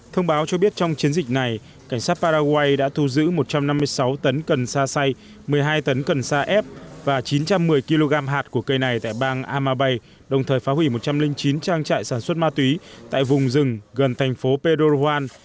thông báo cho biết trong chiến dịch này cảnh sát paraguay đã thu giữ một trăm năm mươi sáu tấn cần sa say một mươi hai tấn cần sa ép và chín trăm một mươi kg hạt của cây này tại bang amabay đồng thời phá hủy một trăm linh chín trang trại sản xuất ma túy tại vùng rừng gần thành phố pedrowan